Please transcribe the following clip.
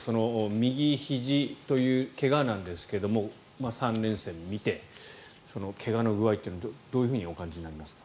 右ひじという怪我なんですが３連戦を見て怪我の具合というのはどうお感じになりますか？